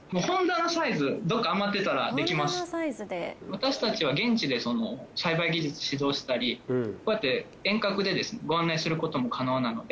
私たちは現地で栽培技術指導したりこうやって遠隔でですねご案内することも可能なので。